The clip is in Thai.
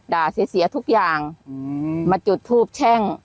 เสียเสียทุกอย่างมาจุดทูบแช่ง